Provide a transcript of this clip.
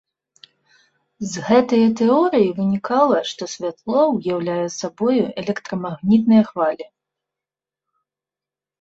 З гэтае тэорыі вынікала, што святло ўяўляе сабою электрамагнітныя хвалі.